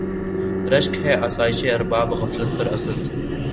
رشک ہے آسایشِ اربابِ غفلت پر اسد!